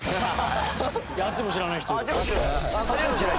あっちも知らない人いる。